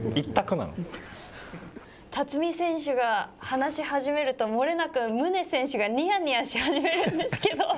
辰己選手が話し始めると、漏れなく宗選手がにやにやし始めるんです。